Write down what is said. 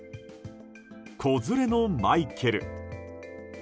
子連れのマイケル。